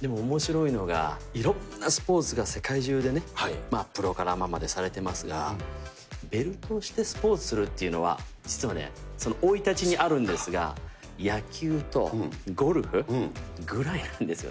でも、おもしろいのが、いろんなスポーツが世界中でね、プロからアマまでされてますが、ベルトをしてスポーツするっていうのは、実はね、生い立ちにあるんですが、野球とゴルフぐらいなんですよね。